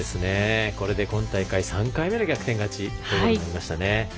これで今大会３回目の逆転勝ちということになりましたね。